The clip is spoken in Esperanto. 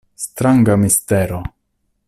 Stranga mistero!